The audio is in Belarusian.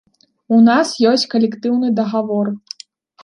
У нас ёсць калектыўны дагавор.